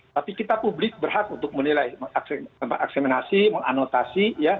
tapi kita publik berhak untuk menilai akseminasi menganotasi